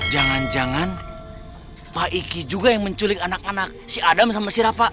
jangan jangan pak iki juga yang menculik anak anak si adam sama si rapa